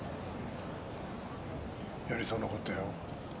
やりそうなこったよ。